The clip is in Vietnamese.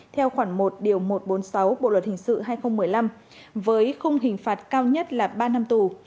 theo khoản một một trăm bốn mươi sáu bộ luật hình sự hai nghìn một mươi năm với khung hình phạt cao nhất là ba năm tù